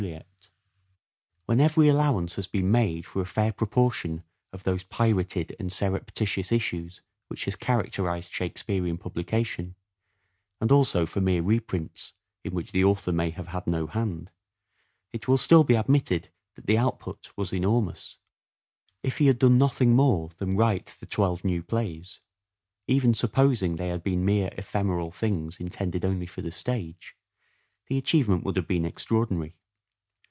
378 "SHAKESPEARE" IDENTIFIED A literary When every allowance has been made for a fair proportion of those pirated and surreptitious issues which has characterized Shakespearean publication, and also for mere reprints, in which the author may have had no hand, it will still be admitted that the output was enormous. If he had done nothing more than write the twelve new plays, even supposing they had been mere ephemeral things intended only for the stage, the achievement would have been extraordinary.